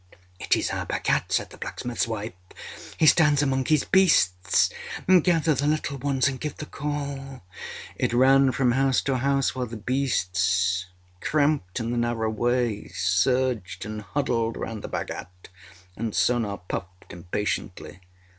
â âIt is our Bhagat,â said the blacksmithâs wife. âHe stands among his beasts. Gather the little ones and give the call.â It ran from house to house, while the beasts, cramped in the narrow way, surged and huddled round the Bhagat, and Sona puffed impatiently.